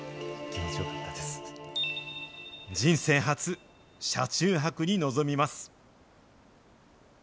人生初、車中泊に臨みます。